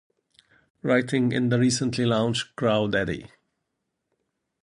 Writing in the recently launched Crawdaddy!